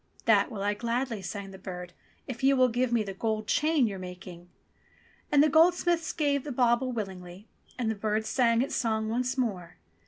"That will I gladly," sang the bird, "if you will give me the gold chain you're making." And the goldsmith gave the bauble willingly, and the bird sang its song once more.